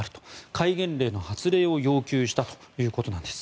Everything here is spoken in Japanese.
戒厳令の発令を要求したということです。